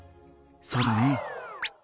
そうだね。